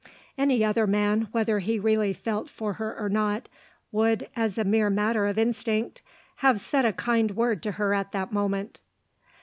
Any other man, whether he really felt for her or not, would, as a mere matter of instinct, have said a kind word to her at that moment.